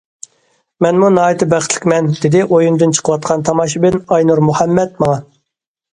مەنمۇ ناھايىتى بەختلىكمەن،- دېدى ئويۇندىن چىقىۋاتقان تاماشىبىن ئاينۇر مۇھەممەت ماڭا.